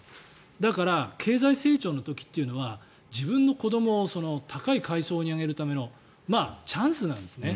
だから経済成長の時っていうのは自分の子どもを高い階層に上げるためのチャンスなんですね。